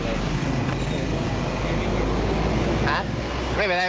ผมไม่อะไรหรอกนิดเดียวผมไม่เป็นไร